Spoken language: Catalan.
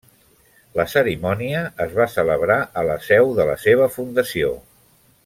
La cerimònia es va celebrar a la seu de la seva fundació.